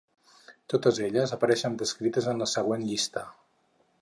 Totes elles apareixen descrites en la següent llista.